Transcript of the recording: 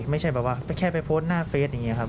ไม่ใช่แบบว่าแค่ไปโพสต์หน้าเฟสอย่างนี้ครับ